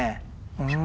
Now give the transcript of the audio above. うん。